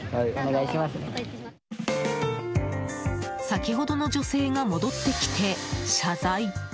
先ほどの女性が戻ってきて謝罪。